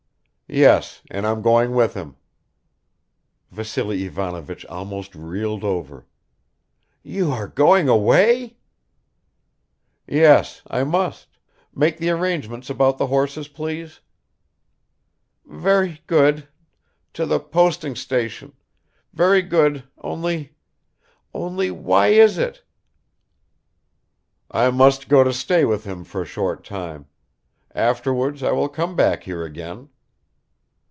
"Yes, and I'm going with him." Vassily Ivanovich almost reeled over. "You are going away?" "Yes ... I must. Make the arrangements about the horses, please." "Very good ... to the posting station ... very good only only why is it?" "I must go to stay with him for a short time. Afterwards I will come back here again."